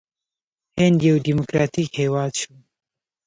هند یو ډیموکراټیک هیواد شو.